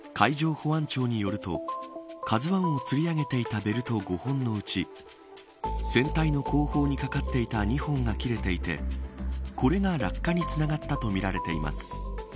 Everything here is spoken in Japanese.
海上保安庁によるとＫＡＺＵ１をつり上げていたベルト５本のうち船体の後方にかかっていた２本が切れていてこれが落下につながったとみられています。